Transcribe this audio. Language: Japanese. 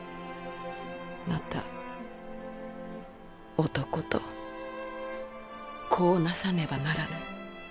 また男と子をなさねばならぬ。